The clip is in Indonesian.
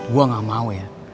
gue gak mau ya